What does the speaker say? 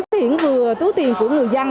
thiện vừa túi tiền của người dân